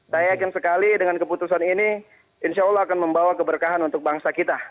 saya yakin sekali dengan keputusan ini insya allah akan membawa keberkahan untuk bangsa kita